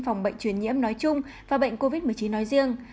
phòng bệnh truyền nhiễm nói chung và bệnh covid một mươi chín nói riêng